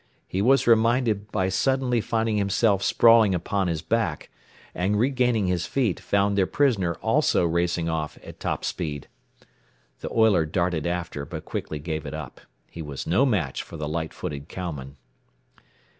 He was reminded by suddenly finding himself sprawling upon his back, and regaining his feet, found their prisoner also racing off at top speed. The oiler darted after, but quickly gave it up. He was no match for the light footed cowman.